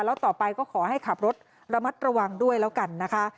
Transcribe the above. แล้วต่อไปก็ขอให้ขับรถระมัดระวังด้วยแล้วกันนะคะ